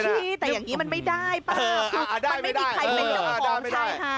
พี่แต่อย่างนี้มันไม่ได้ป่ะมันไม่มีใครเป็นเจ้าของชายหา